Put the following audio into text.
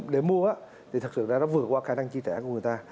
để mua thì thật sự ra nó vượt qua khả năng chi trả của người ta